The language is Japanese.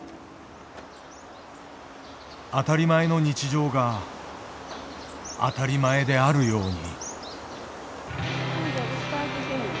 当たり前の日常が当たり前であるように。